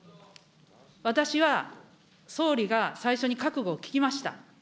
私は総理が最初に覚悟を聞きました。